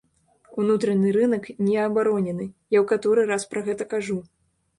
Унутраны рынак не абаронены, я ў каторы раз пра гэта кажу.